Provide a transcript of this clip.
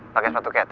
pake sepatu cat ya